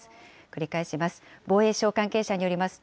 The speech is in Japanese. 繰り返します。